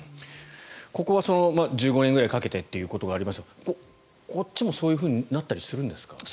ここは１５年ぐらいかけてということがありましたがこっちもそういうふうになったりするんですか？